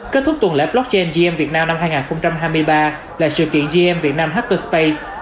kết thúc tuần lễ blockchain gm việt nam năm hai nghìn hai mươi ba là sự kiện gm việt nam hatter space